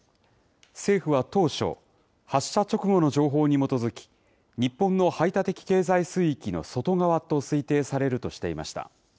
政府は当初、発射直後の情報に基づき、日本の排他的経済水域の外側と推定されるとしていました。